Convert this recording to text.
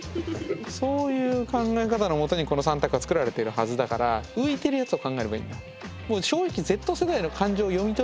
そういう考え方のもとにこの３択はつくられてるはずだから浮いてるやつを考えればいいんだ。